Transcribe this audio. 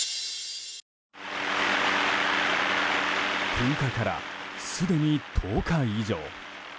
噴火から、すでに１０日以上。